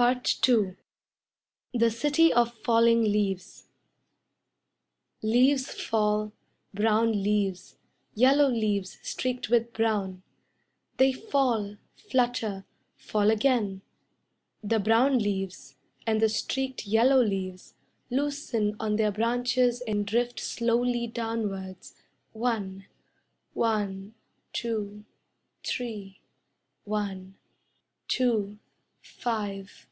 II The City of Falling Leaves Leaves fall, Brown leaves, Yellow leaves streaked with brown. They fall, Flutter, Fall again. The brown leaves, And the streaked yellow leaves, Loosen on their branches And drift slowly downwards. One, One, two, three, One, two, five.